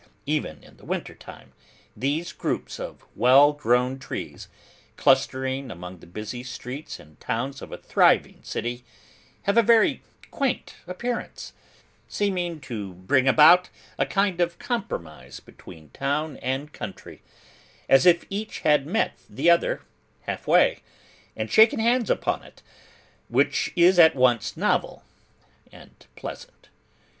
Even in the winter time, these groups of well grown trees, clustering among the busy streets and houses of a thriving city, have a very quaint appearance: seeming to bring about a kind of compromise between town and country; as if each had met the other half way, and shaken hands upon it; which is at once novel and pleasant.